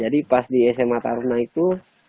jadi pas di sma tarunan itu